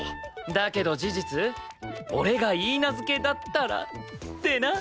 だけど事実俺が許嫁だったらってな。